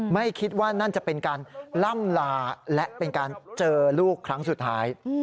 ไม่คิดว่านั่นจะเป็นการล่ำลาและเป็นการเจอลูกครั้งสุดท้าย